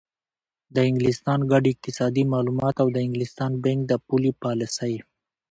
د انګلستان ګډ اقتصادي معلومات او د انګلستان بانک د پولي پالیسۍ